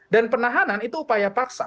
dan penahanan itu upaya paksa